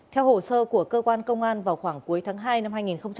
theo hồ sơ của cơ quan công an vào khoảng cuối tháng hai năm hai nghìn một mươi bảy